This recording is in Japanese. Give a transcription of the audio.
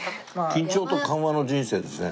緊張と緩和の人生ですね。